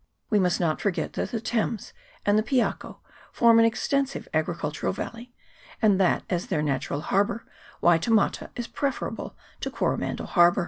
We must not forget that the Thames and the Piako form an extensive agricultural valley, and that, as their natural harbour, Waitemata is prefer able to Coromandel Harbour.